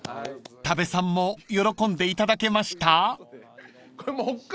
［多部さんも喜んでいただけました？］